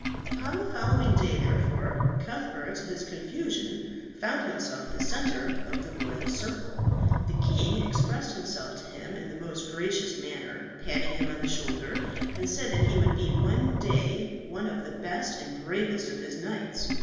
Upon the following day, therefore, Cuthbert to his confusion found himself the centre of the royal circle. The king expressed himself to him in the most gracious manner, patting him on the shoulder, and said that he would be one day one of the best and bravest of his knights.